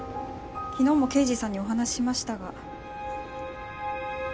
昨日も刑事さんにお話ししましたが。